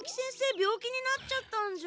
病気になっちゃったんじゃ。